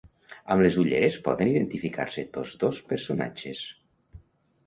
Amb les ulleres poden identificar-se tots dos personatges.